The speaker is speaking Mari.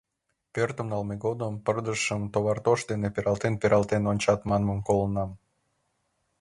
— Пӧртым налме годым пырдыжшым товартош дене пералтен-пералтен ончат манмым колынам.